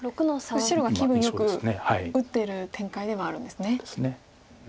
白が気分よく打ってる展開ではあるんですね。ですね。